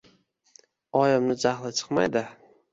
Oyimni jahli chiqmaydi.